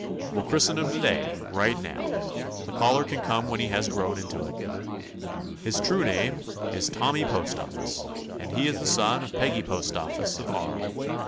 We '11 christen him to day, right now. The collar can come when he has grown into it. His true name is Tommy Postoffice, and he is the son of Peggy Postoffice of R .